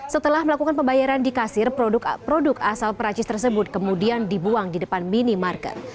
setelah melakukan pembayaran di kasir produk asal perancis tersebut kemudian dibuang di depan minimarket